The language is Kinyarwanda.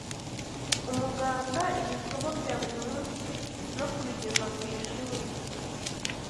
umuganda ibikorwa bya buri munsi no kubigeza ku ishuri